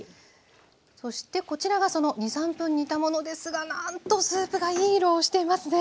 そしてこちらがその２３分煮たものですがなんとスープがいい色をしていますね。